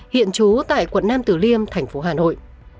hiện trú tại quận nam tử liêm thành phố hà nội